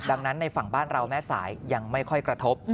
ดังนั้นในฝั่งบ้านเราแม่สายยังไม่ค่อยกระทบ